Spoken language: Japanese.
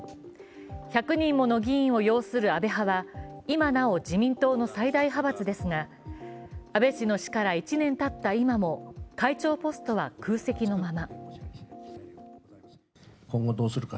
１００人もの議員を擁する安倍派は今なお自民党の最大派閥ですが安倍氏の死から１年たった今も会長ポストは空席のまま。